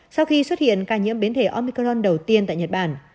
sau khi xuất hiện ca nhiễm biến thể omicron đầu tiên tại nhật bản